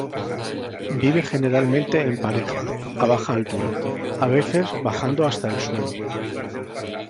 Vive generalmente en pareja, a baja altura, a veces bajando hasta el suelo.